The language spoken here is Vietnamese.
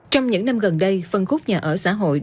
trong những năm gần đây phân khúc nhà ở xã hội